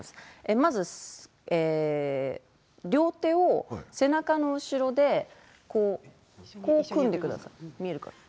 まず両手を背中の後ろで組んでください。